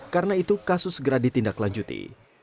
karena itu kasus segera ditindaklanjuti